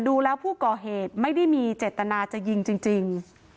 ดูแล้วผู้ก่อเหตุไม่ได้มีเจตนาจะยิงจริง